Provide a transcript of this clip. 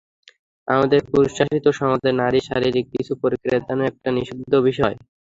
আমাদের পুরুষশাসিত সমাজে নারীর শারীরিক কিছু প্রক্রিয়া যেন একটা নিষিদ্ধ বিষয়।